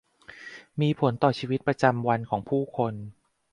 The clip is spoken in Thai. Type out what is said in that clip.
มีผลต่อชีวิตประจำวันของผู้คน